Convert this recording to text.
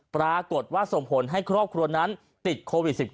ปรากฏว่าส่งผลให้ครอบครัวนั้นติดโควิด๑๙